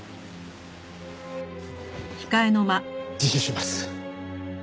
自首します。